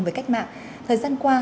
với cách mạng thời gian qua